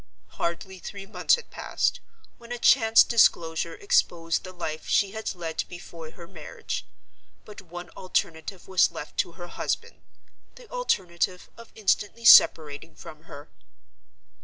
Hardly three months had passed, when a chance disclosure exposed the life she had led before her marriage. But one alternative was left to her husband—the alternative of instantly separating from her.